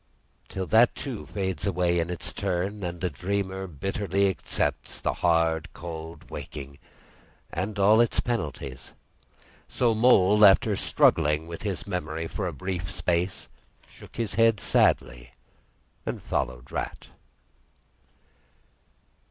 Till that, too, fades away in its turn, and the dreamer bitterly accepts the hard, cold waking and all its penalties; so Mole, after struggling with his memory for a brief space, shook his head sadly and followed the Rat.